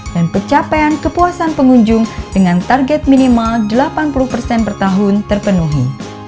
dan pencapaian kepuasan pengunjung dengan target minimal delapan puluh per tahun terpenuhi